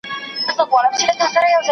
دا لږ کالوري لري.